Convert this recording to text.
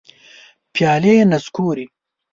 پیالي نسکوري